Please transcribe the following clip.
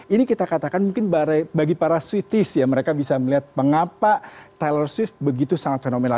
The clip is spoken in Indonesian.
ini kita katakan mungkin bagi para switters ya mereka bisa melihat mengapa taylor shift begitu sangat fenomenal